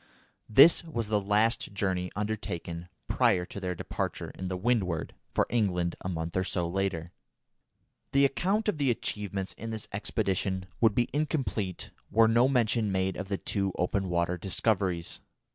This was the last journey undertaken prior to their departure in the Windward for England a month or so later. The account of the achievements of this expedition would be incomplete were no mention made of two open water discoveries.